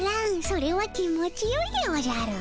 それは気持ちよいでおじゃる。